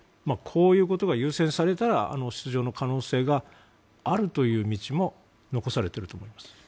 こういうことが優先されたら出場の可能性があるという道も残されていると思います。